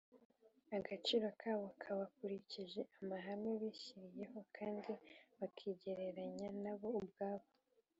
Agaciro kabo bakurikije amahame bishyiriyeho kandi bakigereranya na bo ubwabo